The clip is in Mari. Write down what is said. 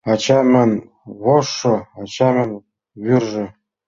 Ачамын вожшо, ачамын вӱржӧ.